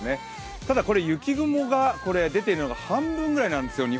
ただ、雪雲が出ているのが日本海の半分ぐらいなんですよ。